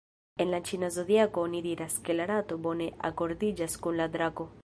En la ĉina zodiako oni diras, ke la rato bone akordiĝas kun la drako.